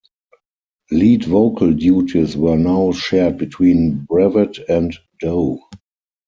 Lead vocal duties were now shared between Brevett and Dowe.